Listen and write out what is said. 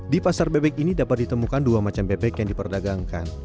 di pasar bebek ini dapat ditemukan dua macam bebek yang diperdagangkan